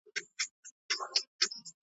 د خان زوی وسو په کلي کي ښادي سوه .